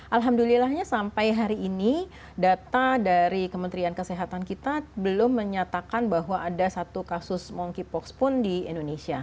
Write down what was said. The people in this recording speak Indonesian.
alhamdulillahnya sampai hari ini data dari kementerian kesehatan kita belum menyatakan bahwa ada satu kasus monkeypox pun di indonesia